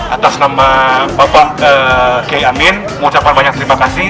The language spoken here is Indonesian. atas nama bapak kiai amin mengucapkan banyak terima kasih